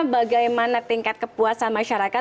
bagaimana tingkat kepuasan masyarakat